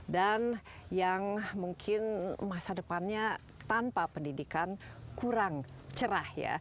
dan yang mungkin masa depannya tanpa pendidikan kurang cerah